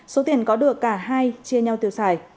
số tiền có được cả hai chia nhau tiêu xài